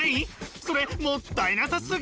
それもったいなさすぎ！